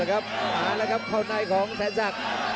อ้าวแล้วครับข้าวในของแสนสัตว์